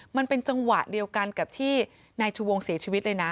มันเป็นจังหวะเดียวกันกับที่นายชูวงเสียชีวิตเลยนะ